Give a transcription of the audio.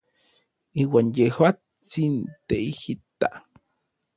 Iuan yejuatsin teijita.